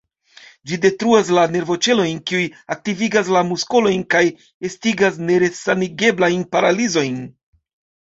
Ĝi detruas la nervoĉelojn, kiuj aktivigas la muskolojn, kaj estigas neresanigeblajn paralizojn.